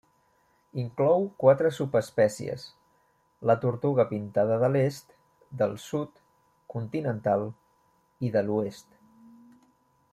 Inclou quatre subespècies: la tortuga pintada de l'est, del sud, continental, i de l'oest.